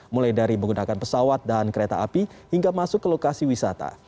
mulai dari menggunakan pesawat dan kereta api hingga masuk ke lokasi wisata